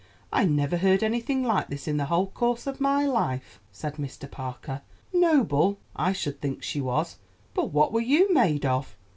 I never heard anything like this in the whole course of my life," said Mr. Parker. "Noble! I should think she was; but what were you made of?